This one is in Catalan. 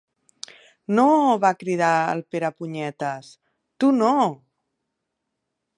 Nooo! —va cridar el Perepunyetes— Tu, no!